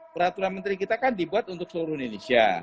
peraturan menteri kita kan dibuat untuk seluruh indonesia